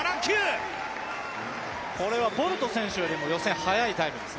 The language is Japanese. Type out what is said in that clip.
これはボルト選手より予選、早いタイムです。